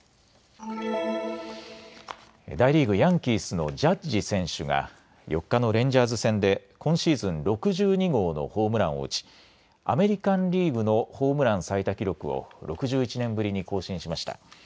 大リーグ、ヤンキースのジャッジ選手が４日のレンジャーズ戦で今シーズン６２号のホームランを打ちアメリカンリーグのホームラン最多記録を６１年ぶりに更新しました。